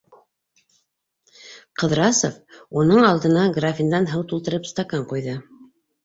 Ҡыҙрасов уның алдына графиндан һыу тултырып стакан куйҙы: